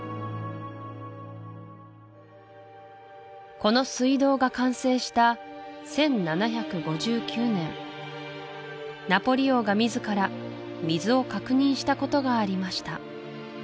この水道が完成した１７５９年ナポリ王が自ら水を確認したことがありました